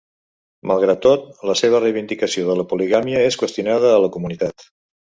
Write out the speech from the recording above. Malgrat tot, la seva reivindicació de la poligàmia és qüestionada a la comunitat.